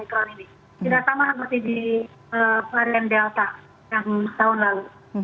tidak sama seperti di varian delta yang tahun lalu